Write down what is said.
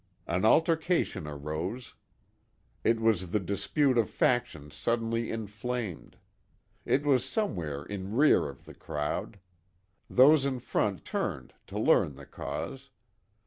An altercation arose. It was the dispute of factions suddenly inflamed. It was somewhere in rear of the crowd. Those in front turned to learn the cause.